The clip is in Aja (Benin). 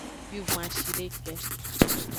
Wivon-ashideke.